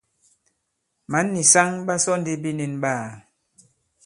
Mǎn nì saŋ ɓa sɔ ndi binīn ɓaā.